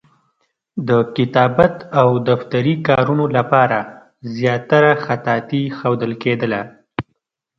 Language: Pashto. د کتابت او دفتري کارونو لپاره زیاتره خطاطي ښودل کېدله.